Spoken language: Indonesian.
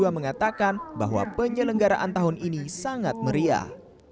mengatakan bahwa penyelenggaraan tahun ini sangat meriah